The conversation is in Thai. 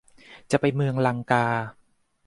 จะไปเมืองลังกา